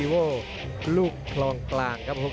สวัสดิ์นุ่มสตึกชัยโลธสวิทธิ์